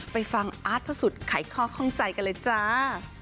ไปฟังอาร์ดเท่าสุดไข้คลอกห้องใจกันเลยจ้า